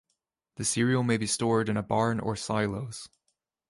The cereal may be stored in a barn or silos.